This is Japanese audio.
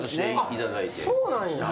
そうなんや。